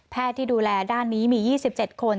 ที่ดูแลด้านนี้มี๒๗คน